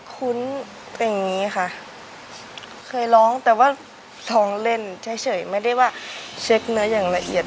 คุ้นเป็นอย่างนี้ค่ะเคยร้องแต่ว่าท้องเล่นเฉยไม่ได้ว่าเช็คเนื้ออย่างละเอียด